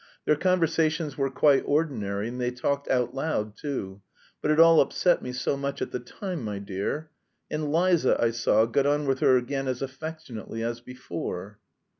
Their conversations were quite ordinary and they talked out loud, too. But it all upset me so much at the time, my dear. And Liza, I saw, got on with her again as affectionately as before...."